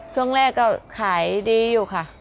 ช่วงแรกก็ขายดีอยู่ค่ะ